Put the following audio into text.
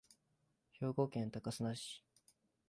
兵庫県高砂市